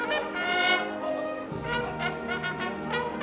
อัศวินธรรมชาติ